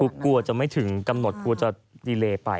กลัวจะไม่ถึงกำหนดกลัวจะดีเลไป